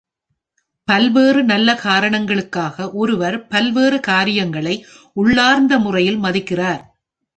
பல்வேறு நல்ல காரணங்களுக்காக ஒருவர் பல்வேறு காரியங்களை உள்ளார்ந்த முறையில் மதிக்கிறார்.